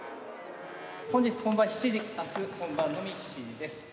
本日本番７時明日本番のみ７時です。